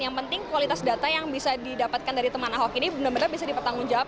yang penting kualitas data yang bisa didapatkan dari teman ahok ini benar benar bisa dipertanggungjawab